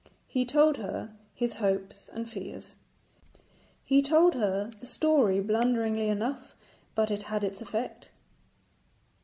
He told her his hopes and fears. He told her the story blunderingly enough, but it had its effect.